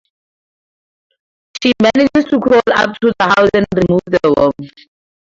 She manages to crawl up to the house and remove the worm.